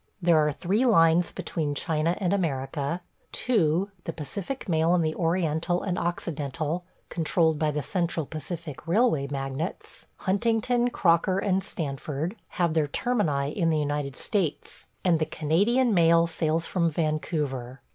There are three lines between China and America; two, the Pacific Mail and the Oriental and Occidental – controlled by the Central Pacific Railway magnates, Huntington, Crocker, and Stanford – have their termini in the United States, and the Canadian Mail sails from Vancouver.